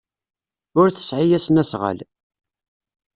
Ur tesɛi asnasɣal.